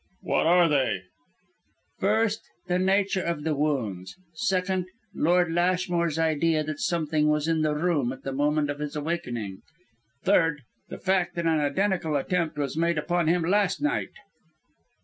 "What are they?" "First: the nature of the wounds. Second: Lord Lashmore's idea that something was in the room at the moment of his awakening. Third: the fact that an identical attempt was made upon him last night!"